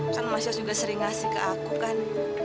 kan mas yos juga sering ngasih ke aku kan